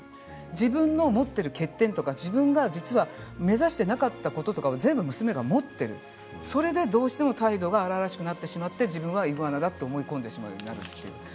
自分の持っている欠点とか自分が実は目指していなかったこととか全部娘が持っているそれでどうしても態度が荒々しくなってしまって自分はイグアナだと思い込んでしまうようになるわけです。